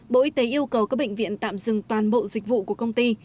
bộ y tế yêu cầu các bệnh viện tạm dừng toàn bộ dịch vụ của công ty